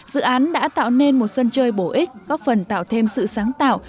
dự án đã tạo nên một sân chơi bổ ích góp phần tạo thêm sự sáng tạo